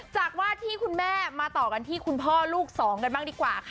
จากว่าที่คุณแม่มาต่อกันที่คุณพ่อลูกสองกันบ้างดีกว่าค่ะ